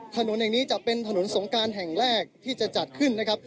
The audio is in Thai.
ถนนแห่งนี้จะเป็นถนนสงการแห่งแรกที่จะจัดขึ้นนะครับ